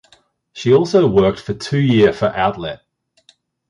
She also worked for two year for outlet.